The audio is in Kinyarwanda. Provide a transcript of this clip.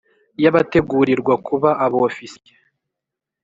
Y abategurirwa kuba abofisiye